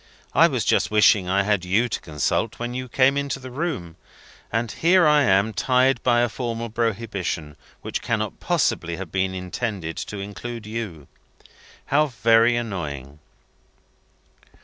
I was just wishing I had you to consult, when you came into the room. And here I am tried by a formal prohibition, which cannot possibly have been intended to include you. How very annoying!"